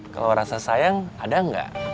kalau rasa sayang ada nggak